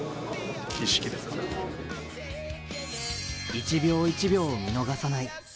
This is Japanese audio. １秒１秒を見逃さない。